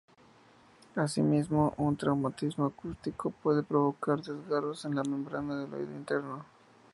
Asimismo, un traumatismo acústico puede provocar desgarros en la membrana del oído interno.